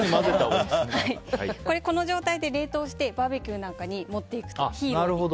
この状態で冷凍してバーベキューなんかに持っていくと。